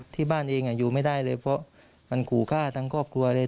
ที่บ้านเองอยู่ไม่ได้เลยเพราะมันขู่ฆ่าทั้งครอบครัวเลย